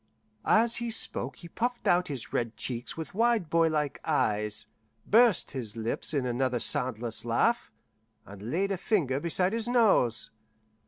As he spoke he puffed out his red cheeks with wide boylike eyes, burst his lips in another soundless laugh, and laid a finger beside his nose.